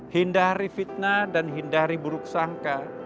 hindari fitnah dan hindari buruk sangka